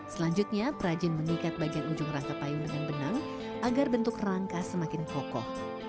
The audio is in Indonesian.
selanjutnya perajin mengikat bagian ujung rangka payung dengan benang agar bentuk rangka semakin kokoh